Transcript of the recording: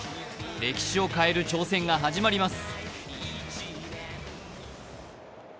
歴史を変える挑戦が始まります。